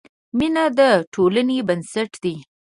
مینه د ټولنې بنسټ دی.